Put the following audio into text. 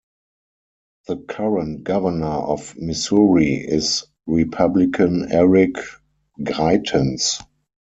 The current governor of Missouri is Republican Eric Greitens.